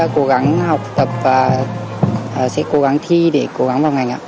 em sẽ cố gắng học tập và sẽ cố gắng thi để cố gắng vào ngành ạ